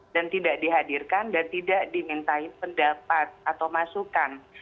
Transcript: dan tidak dihadirkan dan tidak dimintai pendapat atau masukan